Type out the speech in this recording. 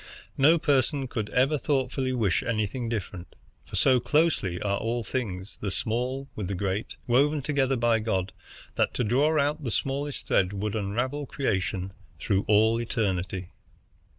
No person could ever thoughtfully wish anything different, for so closely are all things, the small with the great, woven together by God that to draw out the smallest thread would unravel creation through all eternity.